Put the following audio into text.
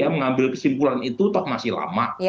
mengambil kesimpulan itu toh masih lama